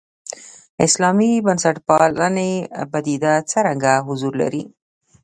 اسلامي بنسټپالنې پدیده څرګند حضور لري.